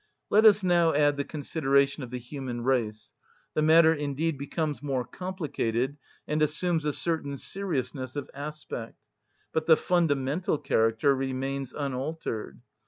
Let us now add the consideration of the human race. The matter indeed becomes more complicated, and assumes a certain seriousness of aspect; but the fundamental character remains unaltered.